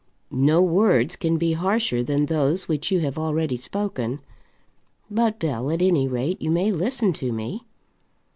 "No words can be harsher than those which you have already spoken. But, Bell, at any rate, you may listen to me."